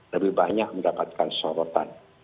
lebih banyak mendapatkan sorotan